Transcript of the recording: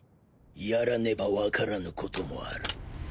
やらねばわからぬこともある。